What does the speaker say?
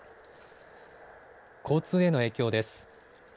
交通への影響です。